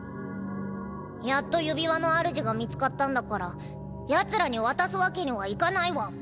やっと指輪の主が見つかったんだからヤツらに渡すわけにはいかないワン。